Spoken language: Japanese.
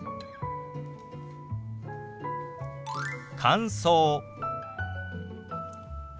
「乾燥」。